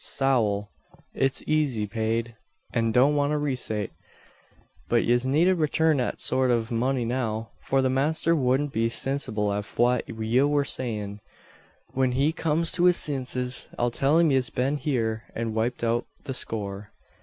Sowl, it's eezy paid, an don't want a resate. But yez needn't return that sort av money now: for the masther woudn't be sinsible av fwhat ye wur sayin. Whin he comes to his sinses, I'll till him yez hiv been heeur, and wiped out the score."